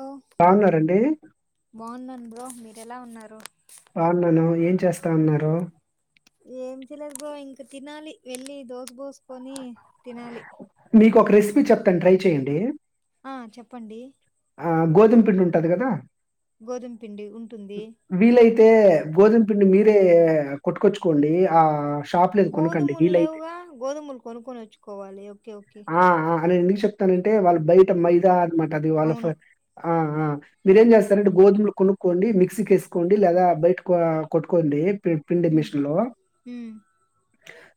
ఓహ్ బాగున్నారండి? బాగున్నాను బ్రో మీరెలా ఉన్నారు, బ్రో బాగున్నాను ఏం చేస్తా ఉన్నారు, ఏం తిన్నలేదు బ్రో ఇంక తినాలి వెళ్లి దోస పోసుకొని, తినాలి మీకు ఒక రెసిపీ కీ చెప్తాను ట్రై చేయండి, ఆ చెప్పండి ఆ గోధుమ పిండి ఉంటాది కదా గోధుమ పిండి ఉంటుంది అయితే గోధుమ పిండి మీరే కొట్టుకొచ్చుకోండి ఆ, గోధుమలు లేవుగా గోధమలు కొనుకుని వచ్చుకో, వాాలే ఓకే ఓకే అను ఎందుకు చెప్తానంటే వాళ్ళ బయట మైదా మాకి అది వాళఫ అవును ఆ ఆ మీరేం చేస్తారంటే గోధుమలు కొను కోండి మిక్సీకి వేసుకోండి లేదా బయట క కొట్టుకోండి పి పిండి ఉమ్, మిషన్ లో ఉమ్,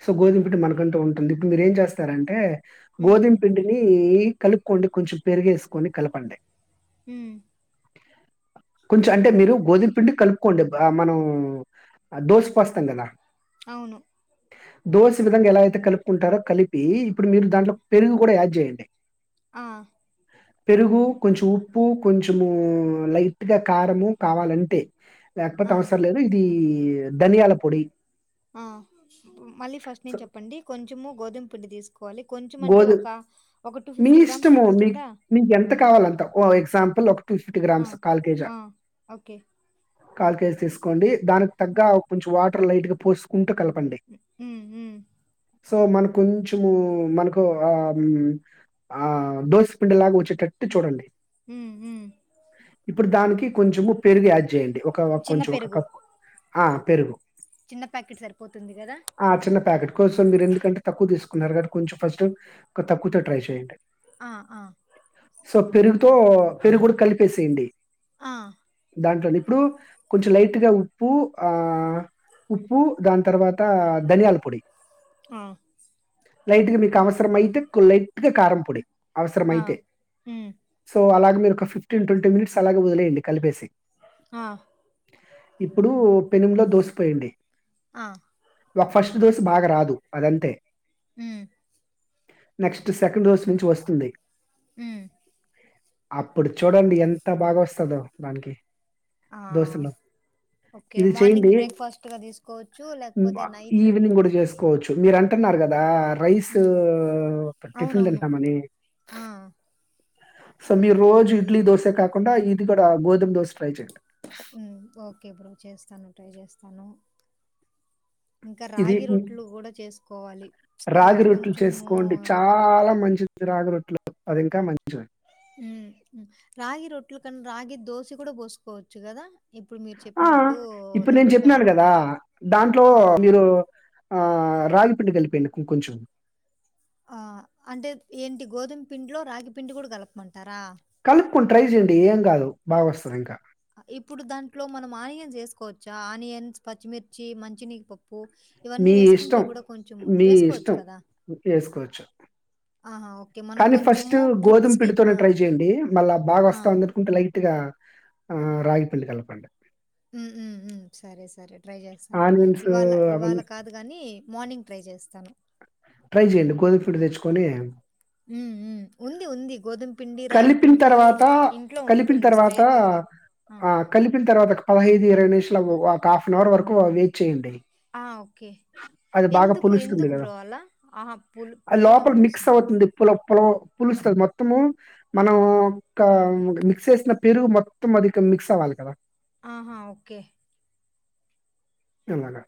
సో గోధుమ పిండి మనకంటే ఉంటుంది ఇప్పుడు మీరు ఏం చేస్తే తరంటే ఉమ్, గొదంపిండినీ కలుపుకోండి కొంచెం పెరిగేసుకొని కలపండి హమ్ కొంచెం అంటే మీరు గోధుమ పిండి కలుపుకోండి మనం దోస పోస్తాం కదా అవును దోశ విధంగా ఎలా అయితే కలుపుకుంటారో కలిపి ప్పి ఇప్పుడు మీరు దాంట్లో పెరుగు కూడా యాడ్ చేయండి ఆ పెరుగు కొంచెం ఉప్పు కొంచెము లైట్గా కారము కావాలంటే ఆ, లేకపోతే అవసరం లేదు ఇది ఈ ధనియాల పొడి ఆ మళ్ళీ ఫస్ట్ సో, నేను చెప్పండి కొంచ కొంచెము గోుంపుండి తీసుకు కోవాలి కొంచం అంటే గోధు ఒక ఒక టూ మీ ఫిఫ్టీ గ్రామ్స్ ఇష్టము మీ సరిపోతుందా మీకు ఎంత కావాలంత ఓ ఎగ్జాంపుల్ ఒక టూ ఫిఫ్టీ ఆ, గ్రామ్స్ కాల్ కేేజా ఆ, ఓకే కాల్ కేేజ్ తీసుకోండి దానికి తగ్గ కొంచెం వాటర్ లైట్గా పోసుకుంట కలప ఉమ్ సో మన కొంచము మనకు ఆ ఆ దోశపిండిలాగా వచ్చేటట్టు చూడండి ఉమ్, ఉమ్. ఇప్పుడు దానికి కొంచెము పెరుగి యాడ్ చేయండి ఒక చిన్న కొంచెం ఒక పెరుగు కప్పు ఆ పెరుగు చిన్న ప్యాకెట్ సరిపోతుంది కదా కోసం మీరు ఎందుకంటే తక్కువ తీసుకున్నారుటి కొంచెం ఫస్ట్ ఒక తక్కువతో ట్రై చేండి ఆ ఆ సో పెరుగుతో పెరుగు కూడా కలిపేసేయండి ఆ దాంట్లోని ఇప్పుడు కొంచెం లైట్గా ఉప్పు ఆ ఉప్పు దాని తర్వాత ధనియాల పొడి ఆ లైట్ గా మీకు అవసరం అయితే కుళ్లై కి కారం పొడి అవసరం ఆ అయితే ఉమ్ సో అలాగ్ మీరు ఒక ఫిఫ్టీన్ ట్వంటీ మినిట్స్ అలాగా వదిలేయండి కలిపేసి ఆ ఇప్పుడు పెనుములో దోసిపొయ్యండి ఆ ఇగ ఫస్ట్ దోస బాగా రాదు అదంతే మ్మ్ నెక్స్ట్ సెకండ్ దోస్ నుంచి వస్తుంది మ్మ్ అప్పుడు చూడండి ఎంత బాగా వస్తదో దానికి ఆ దోసలో. ఓకే ఇది చేయండి మార్నింగ్ బ్రేక్ఫాస్ట్గా తీసుకోవచ్చు లేకపోతే నైట్ కోవచ్చు మీరు అంటున్నారు కదా రైసు ఉమ్ టిఫన్ అవునవును తింటా మని ఆ స మీ రోజు ఇడ్లీ దోసె కాకుండా ఇక్కడ గోధుమ్ దోస ట్రై చేయండి కే బ్రో చేస్తాను ట్రై చేస్తాను ఇంకా ఇది రాగి రొట్లు కూడా చేసుకోవాలి రాగి హెల్త్ రొట్లు చేసుకోండి కొంచెము చాలా మంచిది రాగి రొట్లు అది ఇంకా మన్ మ్మ్ రాగి రొట్లు కన్ రాగి దోసి కూడా పోసుకోవచ్చు కదా ఇప్పుడు మీరు ఆ! చెప్పినట్టు ఇప్పుడు నేను లైట్గా చెప్పినాను గదా! ఆ ఆ రాగిపిండి కలిపేయిండి కొంచెం ఆ అంటే ఏంటి గోధుమ పిండిలో రాగి పిండి కూడా కలపమంటారా కలుపుకుని ట్రై చేయండి ఏం కాదు బాగొస్తది ఇంకా ఇప్పుడు దాంట్లో మనం ఆనియన్స్ వేసుకోవచ్చా ఆనియన్స్ పచ్చిమిర్చి మంచినీ ప ప్పు ఇవన్నీ మీ వేసుకుంటే ఇష్టం. కూడా కొంచెం మీ వేసుకోవచ్చు ఇష్టం కదా ఏసుకోవచ్చు. ఆహా! ఓకే. మనకు కానీ ఫస్ట్ కొంచెము గోధుమ క్రిప్స్‌కి పిడుతోనే ఆ! ట్రై చేయండి మళ్ళా బాగా ఆ! వస్తా అందనుకుంటే లైట్ గా ఆ రాగి పిండి కలపండి ఉహ్మ్ హు సరే సరే ట్రై చేస్తాను. ఆనియన్స్ ఇవాళ ఇవాళ అవన్నీ కాదు గాని మార్నింగ్ ట్రై చేస్తాను. ట్రై చేయండి గోధుమ్ పిండి తెచ్చుకొని. హ్మ్. హ్మ్. ఉంది. ఉంది. గోధుమ పిండి, రాగి కలిపిన పిండి తర్వాత ఇంట్లో కలిపిన ఉంటుంది తర్వాత స్పేర్‌గా. ఆహ్ ఆ కలిపిన తర్వా తర్వాత ఒక పదహైదు ఇరవై నిమిషలకు ఒక హాఫ్ అన్ అవర్ వరకు వెయిట్ చేయండి. ఆ ఓకే అది బాగా ఎందుకు పులుస్తుంది ఎందుకు కదా! బ్రో పోవాలా ఆహా పులి పులిడం కోసమా పులవ పులుస్తది మొత్తము ఆ! మనం ఓక్క మిక్స్ చేసిన పెరుగు మొత్తం అది కా మిక్స్ అవ్వాలి కదా ఆహా ఓకే ఎలాగా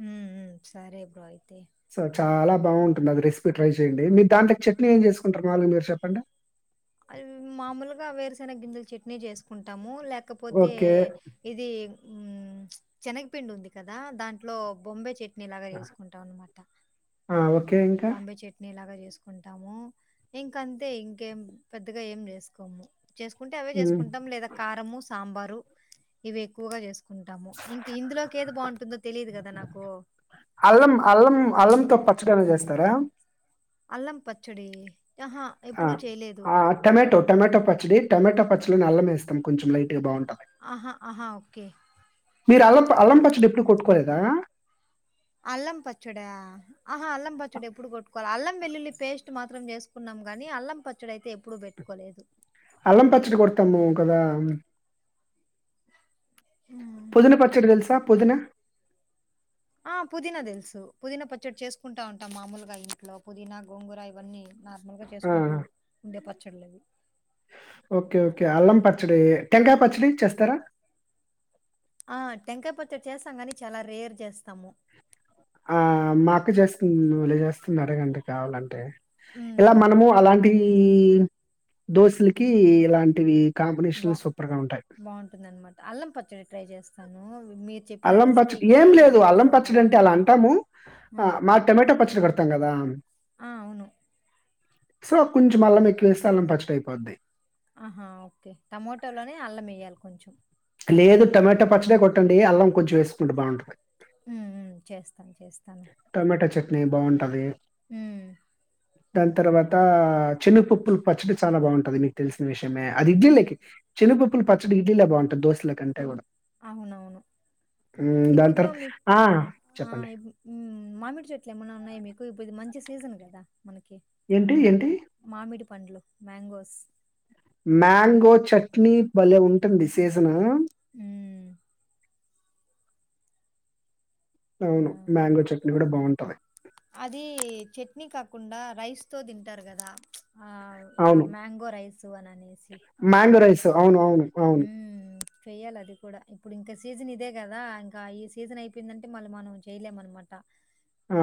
ఉహ్మ్ హు సరే బ్రోయితే సో చాలా బాగుంటుంది. అది రెసిపీ ట్రై చేయండి. మీరు దాంట్లో చట్నీ ఏం చేసుకుంటారు మాలుగా మీరు చెప్పండి. శనగ గింజల చట్నీ చేసుకుంటాము. లేక్ లేకపోతే ఓకే. ఇది ఉహ్మ్ శనగపిండి ఉంది కదా దాంట్లో బొంబై చెట్ నీ లాగ చేేసుకుంటాం అన్నమాట ఆ! ఓకే. ఇంకా? బాంబై చట్నీలా చేసుకుంటాము. ఇంక అంతే ఇంకేం పెద్దగా ఏం చేసుకోము చేసుకుంటే అవే హ్మ్. చేసుకుంటాం. లేదా కారము సాంబారు ఇవి ఎక్కువగా చేసుకు కుంటాము ఇంక ఇందులోకి ఏది బాగుంటుందో తెలిదు కదా నాకు తారా అల్లం పచ్చడి అహా! ఆ ఎప్పుడూ చేయలేదు. ఆ టొమేటో టొమటో పచ్చడి టొమటో పచ్చడి. అల్లం వేస్తాం కొంచెం లైట్గా బాగుాం ఆహా ఆహా ఓకే మీరు అల్లం అల్లం పచ్చడి ఎప్పుడు కొట్టుకోలేదా అల్లం పచ్చడ. ఆహా అల్లం పచ్చడి ఎప్పుడు కొట్టుకోలా అల్లం వెల్లుల్లి పేస్ట్ మాత్రం చేసుకున్నాం. కాని అల్లం పచ్చడి అయితే ఎప్పుడు పెట్టుకోలేదు. అల్లం పచ్చడి కొడతాము కదా హ్మ్. పుదీనా పచ్చడ తెల్సా పుదీనా ఆ పుదీనా తెలుసు పుదీనా పచ్చడి చేసుకుంటా ఉంటాం. మామలుగా ఇంట్లో పుదీనా, గోంగుర ఇవన్నీ నార్మల్ గా ఆ! చేసుకుంటూ ఉండే ప చ్చల్లివి ఓకే ఓకే అల్లం పచ్చడి, టెంకాయ పచ్చడి చేస్తారా. ఆహ్ టెంకాయ పచ్చటి చేస్తాం. గాని చాలా రేర్ చేస్తాము. ఆ మా అక్క చేస్తుంది బలే చేస్తుంది అడగండి కావాలంటే ఉమ్ ఇలా మనము అలాంటి ఈ దోశలకి ఇలాంటివి బా కాంబినేషన్‌లు సూపర్‌గా ఉంటాయి. బాగుంటుంది అనమాట అల్లం పచ్చడి ట్రై చేస్తాను మీరు చెప్పిన అల్లం పచ్చడి రెసిపీకి ఏం లేదు విత్ అల్లం పచ్చడి అంటే అలా అంటాము ఆ మా టొమమాటో పచ్చడి కడు తాంగాదా ఆ అవును సో కొంచెం అల్లం ఎక్కువేస్తే అల్లం పచ్చడియిపోద్ది ఆహా ఓకే టమాటోలోనే అల్లం మేయాలి కొంచెం లేదు టొమాటో పచ్చడి కొట్టండి అల్లం కొంచెం వేసుకుంటే బాగుంటుంది ఉం ఉం చేస్తాను చేస్తాను బాగుంటంది ఉం దాని తర్వాత శెనగపప్పులు పచ్చడి చాలా బాగుంటది మీకు తెలిసిన విషయం అది ఇడ్లీల ఉమ్ కి చెనుగపప్ పచ్చడి ఇడ్లీలా బాగుంట దోసల కంటేగుడ అవునవును ఇప్పుడు దాని బ్రో తర్వా మీ ఆ! ఆ చెప్పండి. మామిడి చెట్లు ఏమన్నా ఉన్నాయి మీకు ఇప్పుడు మంచి సీజన్ కదా మనకి ఏంటి? ఏంటి? మామిడి పండ్లు మ్యాంగోస్ మ్యాంగో చట్నీ భలేె ఉంటుంది సిసన్ ఉమ్ ఆ అవును మ్యాంగో చట్నీ కూడా బాగుంటుంది టాయి అది చట్నీ కాకుండా రైస్ తో తింటారు కదా ఆ అవును. మ్యాంగో రైస్ అని అనేసి మ్యాంగో రైస్. అవును అవును ఉం అవును. చెయ్యాలి అది కూడా ఇప్పుడు ఇంకా సీజన్ ఇదే కదా ఇంకా ఈ సీజన్ అయిపోయిందంటే మళ్ళీ మనం చెయలేము అనమాట ఆ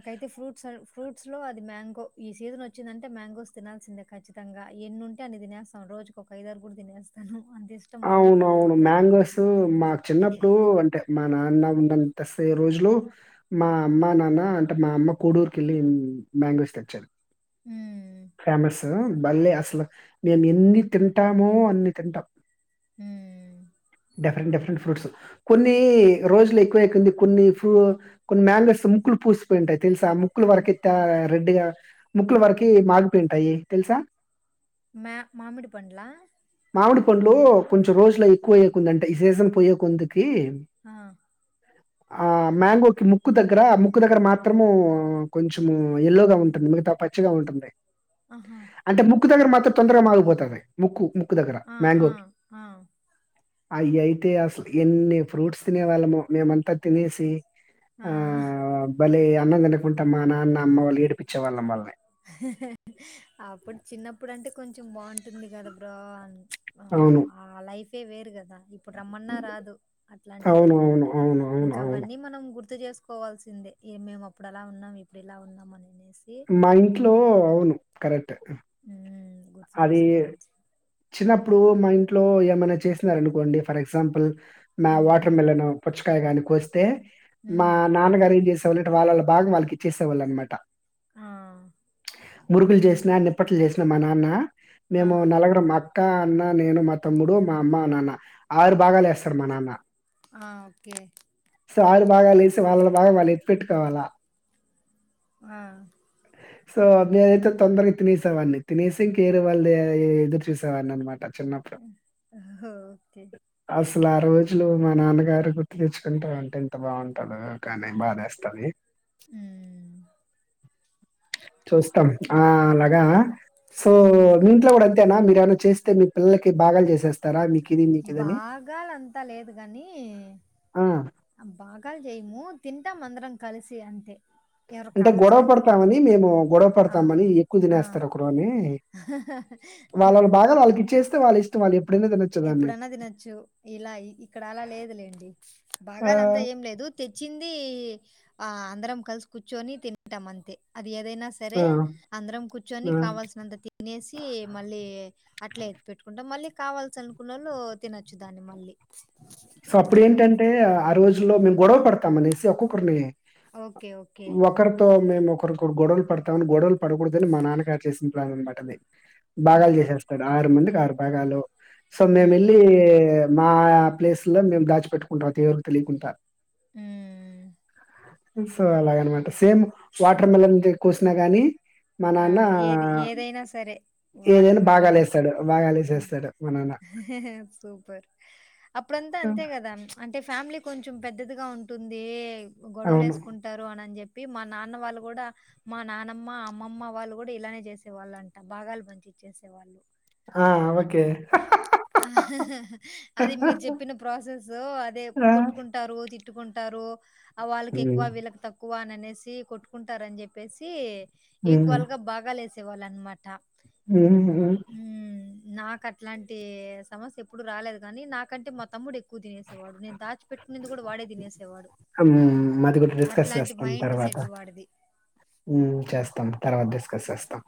నాకైతే ఫ్రూట్స్ ఫ్రూట్స్ లో అది మ్యాంగో ఈ సీజన్ వచ్చిందంటే మ్యాంగోస్ తినాల్సిందే ఖచ్చితంగా ఎన్ని ఉంటే అన్ని తినేస్తాను రోజుకి ఒక ఐదరు కూడా తినేస్తాను అంత ఇష్టం మామిడి అవును అవును పండ్లంటే. మ్యాంగోస్ మాకు చిన్నప్పుడు అంటే మా నాన్న ఉన్న తెసే రోజులు మా అమ్మ నాన్న అంటే మా అమ్మ కోడూరుకిళ్ళి మ్యాంగోస్ తెచేది ఉం ఫేమస్ మళ్ళీ అసలు మేము ఎన్ని తింటామో అన్ని తింటాం ఉం డిఫరెంట్ డిఫరెంట్ ఫ్రూట్స్ కొన్ని రోజులు ఎక్కువ అయింది కొన్ని ఫ్రూ కొన్ని మ్యాంగోస్ ముక్కులు పూసిపోయి ఉంటాయి తెలుసా ముక్కులు వరక రెడ్గా ముక్కులు వరకి మాగిపోయి ఉంటాయి తెలుసా మా మామిడి పండు లా మామిడి పండ్లు కొంచెం రోజుల ఎక్కువై కొంతంట ఈ సీజన్ పోయ్యే ముందుకు ఇ ఆ! ఆ మ్యాంగోకి ముక్కు దగ్గర ముక్కు దగ్గర మాత్రము కొంచెము ఎల్లోగా ఉంటుంది. మిగతా పచ్చిగా ఉంటుంది. ఆహా అంటే ముక్కు దగ్గర మాత్రం తొందరగా మాగిపోతది ముక్కు ముక్కు దగ్గర ఆ! ఆ! మ్యాంగోకి ఆ! అవి అయితే అసలు ఎన్ని ఫ్రూట్స్ తినే వాళ్ళము మేమంతా తినేసి ఆ బళ్లే అన్నం తినకుంటా మా నాన్న అమ్మ వాళ్ ఏడిపించేవాళ్ళం వాళ్ళని అప్పుడు చిన్నప్పుడు అంటే కొంచెం బాగుంటుంది గదా అవును లైఫే వేరు కదా ఇ ఇప్పుడు రమ్మన్నా రాదు అట్లాంటి అవును లైఫ్ అవును మనకి అవును అవును ఇంకా అవును అవన్నీ మనం గుర్తు గుర్తు చేసుకోవాల్సిందే మేము అప్పుడలా ఉన్నాం ఇప్పుడు ఇలా ఉన్నాం అని మై వొ ఉ కెక్ట్ ఉ గుర్తు చేసుకోవచ్ చిన్నప్పుడు మా ఇంట్లో ఏమైనా చేస్తున్నార అనుకోండి ఫర్ ఎగ్జాంపుల్ నా వాటర్ హ్మ్ మిలన్ పుచ్చకాయ కోస్త స్తే మా హ్మ్. నాన్నగారి చే సలి వాళ్ళలో బాగా వాళ్ళకి ఇచ్చేసొళ్ళ అనమాట ఆ మురుకులు చేసిన నిప్పట్లు చేసిన మా నాన్న ఆ! మేము నలుగురము మా అక్క, అన్న, నేను మా తమ్ముడు, మా అమ్మ, నాన్న ఆరు బాగాలేస్తాడు మా నాన్న. ఆ ఓకే సో ఆరు బాగా లేసి వాళ్ళలో బాగా వాళ్ళు ఎత్తి పెట్టుకోవాలా ఆ సో అయితే తొందరగా తినేసేవాణ్ణి తినేసి వేరే వాళ్ళది ఎదురుచూ చూసావా అన్నమాట ఓకే అసలు ఆ రోజులు మా నాన్నగారు గుర్తు తెచ్చుకుంటే ఉంటే, ఇంత బాగుంటదో కానీ బాధేస్తది. అ చూస్తాం ఆ అలాగా సో హ్మ్. మీ ఇంట్లో కూడా అంతేనా మీ ఏమైనా చేస్తే మీ పిల్లలకి బాగాలు చేసేస్తారా మీ బాగాలంతా లేదు కానీ ఆ! బాగాలు చేయము తింటాం అందరం. కలిసి అంతే ఎవరికి అంటే గొడవ కావాల్సినంత వాళ్ళు. పడతామని మేము గొడవ ఆ! పడతామని ఎక్కువ ఆ! తినేస్తారు ఒకరు అని వాళ్ళల బాగాలు వాళ్ళకి ఇచ్చేస్ ఇస్తే వాళ్ళ ఇష్టం వాళ్ళు ఎప్ ఎప్పుడన్నా తినొచ్చు ఇలా ఇక్కడ అలా లేదులేండి ఆ! బాగాల అంతా ఏం లేదు తెచ్చింది ఆ అందరం కలిసి కూర్చుని తింటాం అంతే అ ఏదైనా సరే ఆ! అందరం కూర్చొని ఆ! కావాల్సినంత తినేసి మళ్ళీ అట్లా ఎత్తు పెట్టుకుంటాం మళ్ళీ కావల్ ల్సి అనుకున్నళ్ళు తినొచ్చు దాన్ని మళ్ళీ సో, అప్పుడేంటంటే ఆ రోజుల్లో మేము గొడవ పడతాం అనేసి ఒక్కొక్కరిని ఓకే ఓకే ఒకరితో మేము ఒకరొకరు గొడవలు పడతామని గొడవలు పడకూడదని మా నాన్నగారు చేసిన ప్లాన్ అన్నమాట అది. బాగాలు అవునవును. చేసేస్తాడు ఆరు మంది ఆరు భాగాల్లో సో హ్మ్. మేమెల్లీ మా ప్లేస్ లో మేం దాచి పెట్టుకుంటాం అది ఎవరికి తెలియకుంటా హ్మ్ సో అలాగనమాట సేమ్ వాటర్ మెలన్ కోసినా గాని మా ఆ నాన్న ఏది ఏదైనా సరే వాటర్ ఏదైనా మిలన్ బాగాలేస్తాడు బాగాలేసేస్తాడు మా నాన్న సూపర్ అప్ ఇప్పుడంతా అంతే కదా అంటే ఫ్యామిలీ కొంచెం పెద్దదిగా ఉంటుంది. గొడవలు అవును వేసుకుంటారు అని అని చెప్పి చెప్పి మా నాన్న వాళ్ళు కూడా మా నానమ్మ అ అమ్మమ్మ వాళ్ళు కూడా ఇలానే చేసేవాళ్ళు అంట బాగాలు పంచిచ్చేసే వాళ్ళు ఆ ఓకే అది మీరు చెప్పిన ప్రాసెసు అదే ఆ, కొట్టుకుంటారు. తిట్ కొట్టుకుంటారు. ఆ వాళ్ళకి ఉమ్, ఎక్కువ వీళ్ళకి తక్కువ అనే అనేసి కొట్టుకుంటారని చెప్పేసి ఈక్వల్ గా బాగాలేస్ తేవాలన్నమాట మ్మ్ నా కట్లాంటి సమస్య ఎప్పుడు రాలేదు కాని నాకంటే మా తమ్ముడు ఎ క్కువ తినేసేవాడు నేను దాచి పెట్టుకునేది కూడా వాడే తినేసేవాడు ఉమ్, అది కూడా డిస్కస్ అట్లాంటి చేస్తాం మైండ్ తర్వాత సెట్ వాడిది. కసేస్తా